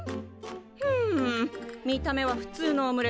ふん見た目はふつうのオムレツねえ。